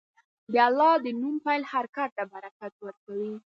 د الله د نوم پیل هر کار ته برکت ورکوي.